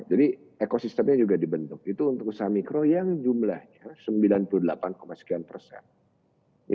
jadi ekosistemnya juga dibentuk itu untuk usaha mikro yang jumlahnya sembilan puluh delapan sekian persen